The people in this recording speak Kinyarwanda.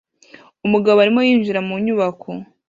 Umugabo arimo yinjira mu nyubako